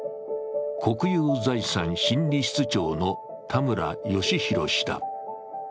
国有財産審理室長の田村嘉啓氏だ。